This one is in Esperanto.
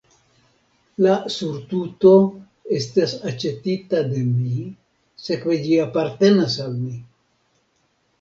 La surtuto estas aĉetita de mi, sekve ĝi apartenas al mi.